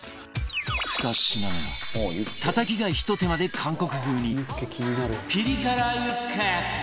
２品目はたたきがひと手間で韓国風にピリ辛ユッケ